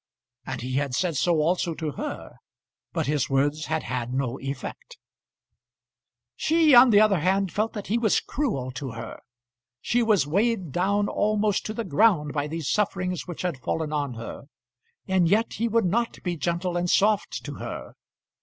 And he had said so also to her, but his words had had no effect. She, on the other hand, felt that he was cruel to her. She was weighed down almost to the ground by these sufferings which had fallen on her, and yet he would not be gentle and soft to her.